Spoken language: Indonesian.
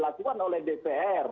ini tidak dilakukan oleh dpr